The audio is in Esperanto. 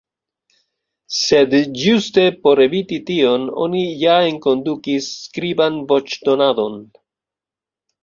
Sed ĝuste por eviti tion oni ja enkondukis skriban voĉdonadon.